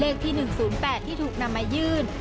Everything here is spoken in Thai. เลขที่๑๐๘ที่ถูกนำมายื่น